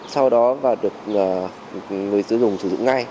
sau đó và được người sử dụng sử dụng ngay